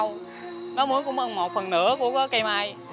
nó mướn cũng hơn một phần nửa của cây may